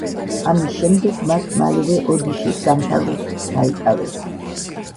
ამის შემდეგ მათ მალევე ოდიშის სამთავროს დაიკავეს.